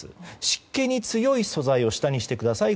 湿気に強い素材を下にしてください。